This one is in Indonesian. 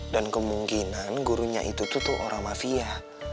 dan kemungkinan gurunya itu tuh orang mafia